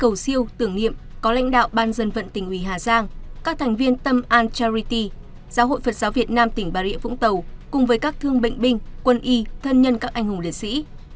tham dự lễ cầu siêu tưởng niệm có lãnh đạo ban dân vận tỉnh ủy hà giang các thành viên tâm an charity giáo hội phật giáo việt nam tỉnh bà rịa vũng tàu cùng với các thương bệnh binh quân y thân nhân các anh hùng liệt sĩ